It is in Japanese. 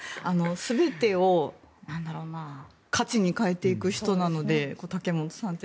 全てを価値に変えていく人なので竹本さんって。